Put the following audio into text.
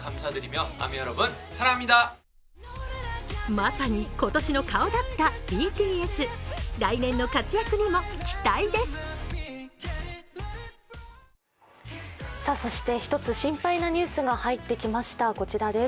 まさに今年の顔だったＢＴＳ来年の活躍にも期待です。